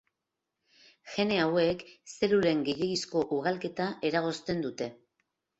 Gene hauek zelulen gehiegizko ugalketa eragozten dute.